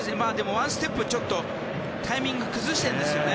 ワンステップタイミングを崩してるんですね。